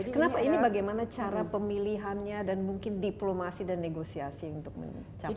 kenapa ini bagaimana cara pemilihannya dan mungkin diplomasi dan negosiasi untuk mencapai